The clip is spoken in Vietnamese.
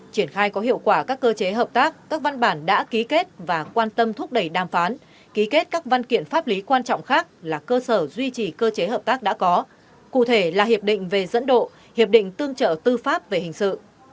triển khai có hiệu quả các cơ chế hợp tác các văn bản đã ký kết và quan tâm thúc đẩy đàm phán ký kết các văn kiện pháp lý quan trọng khác là cơ sở duy trì cơ chế hợp tác đã có cụ thể là hiệp định về dẫn độ hiệp định tương trợ tư pháp về hình sự